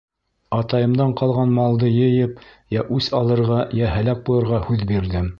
Атайымдан ҡалған малды йыйып, йә үс алырға, йә һәләк булырға һүҙ бирҙем.